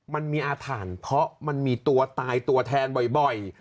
มันมีอาถรรพ์เพราะมันมีตัวตายตัวแทนบ่อย